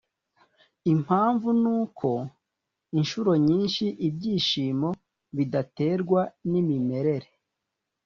Impamvu ni uko incuro nyinshi ibyishimo bidaterwa n imimerere